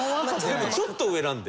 でもちょっと上なんで。